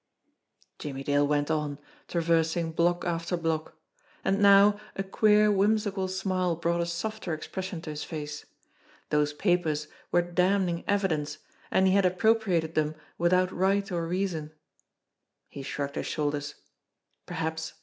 Jimmie Dale went on, traversing block after block. And now a queer, whimsical smile brought a softer expression to his face. Those papers were damning evidence, and he had appropriate^ them without right or reason ! He shrugged his shoulders. Perhaps